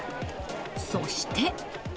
そして。